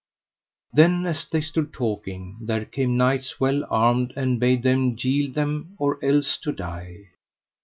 Then as they stood talking there came knights well armed, and bade them yield them or else to die.